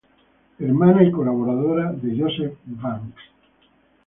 Hermana y colaboradora de Joseph Banks.